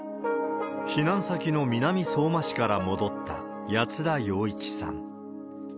避難先の南相馬市から戻った谷津田陽一さん。